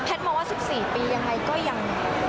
แพทน์ว่า๑๔ปียังไงก็ยังห่าง